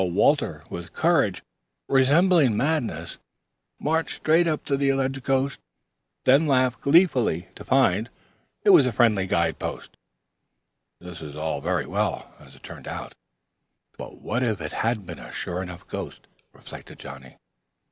Walter, with courage resembling madness, marched straight up to the alleged ghost and laughed gleefully to find, "It was a friendly guide post, his wand'ring steps to guide." This was all very well, as it turned out, but what if it had been a sure enough ghost, reflected Johnnie.